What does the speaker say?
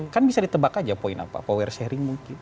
kan bisa ditebak aja poin apa power sharing mungkin